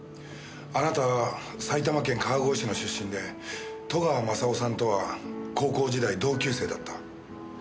あなたは埼玉県川越市の出身で戸川雅夫さんとは高校時代同級生だった。